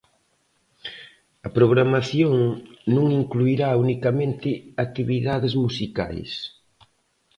A programación non incluirá unicamente actividades musicais.